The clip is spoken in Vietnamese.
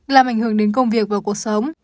làm ảnh hưởng đến công việc và cuộc sống